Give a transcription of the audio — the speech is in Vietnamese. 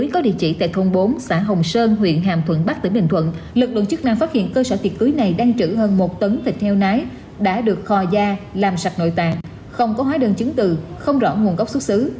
cơ sở tiệc cưới này đang trữ hơn một tấn thịt heo nái đã được kho da làm sạch nội tạng không có hóa đơn chứng từ không rõ nguồn gốc xuất xứ